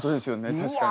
確かに。